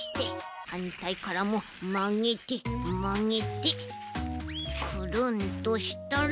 はんたいからもまげてまげてクルンとしたら。